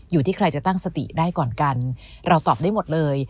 อยู่ที่ใครจะตั้งสติได้ก่อนกันเราตอบได้หมดเลย